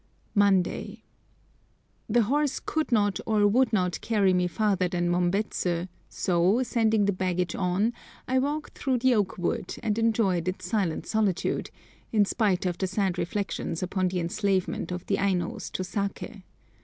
Monday.—The horse could not or would not carry me farther than Mombets, so, sending the baggage on, I walked through the oak wood, and enjoyed its silent solitude, in spite of the sad reflections upon the enslavement of the Ainos to saké.